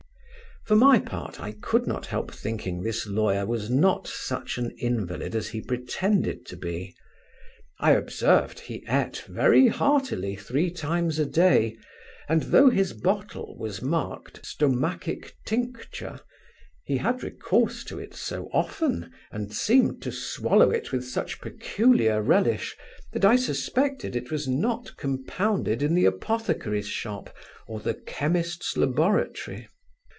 For my part, I could not help thinking this lawyer was not such an invalid as he pretended to be. I observed he ate very heartily three times a day; and though his bottle was marked stomachic tincture, he had recourse to it so often, and seemed to swallow it with such peculiar relish, that I suspected it was not compounded in the apothecary's shop, or the chemist's laboratory.